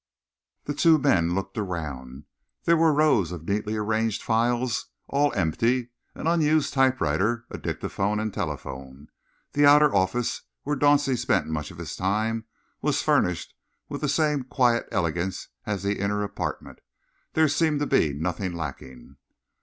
The two men looked around. There were rows of neatly arranged files, all empty; an unused typewriter; a dictaphone and telephone. The outer office, where Dauncey spent much of his time, was furnished with the same quiet elegance as the inner apartment. There seemed to be nothing lacking.